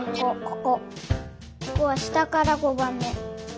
ここはしたから５ばんめ。